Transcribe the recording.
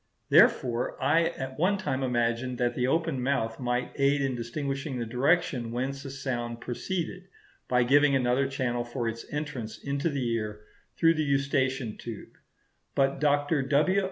Therefore I at one time imagined that the open mouth might aid in distinguishing the direction whence a sound proceeded, by giving another channel for its entrance into the ear through the eustachian tube, But Dr. W.